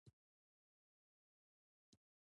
په اسیا کې هندوانو، ازبکانو او عربو فارسي ویلې ده.